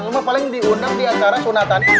lo mah paling diundang diantara sunatan hidin